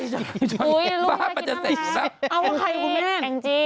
อุ๊ยลูกวิ่งใดกินตั้งแหละแอ้งจี้แอ้งจี้อ้าวว่าใครคุณเมน